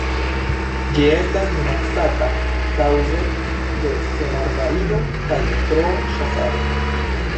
Ĝi estas minacata kaŭze de senarbarigo kaj troa ĉasado.